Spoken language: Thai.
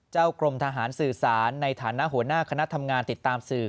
กรมทหารสื่อสารในฐานะหัวหน้าคณะทำงานติดตามสื่อ